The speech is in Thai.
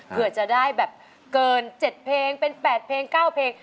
เผื่อจะได้แบบเกิน๗เพลงเป็น๘เพลง๙เพลง